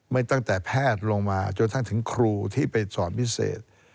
ตั้งแต่แพทย์ลงมาจนทั้งถึงครูที่ไปสอนพิเศษ